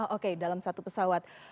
oke dalam satu pesawat